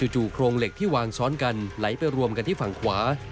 โครงเหล็กที่วางซ้อนกันไหลไปรวมกันที่ฝั่งขวา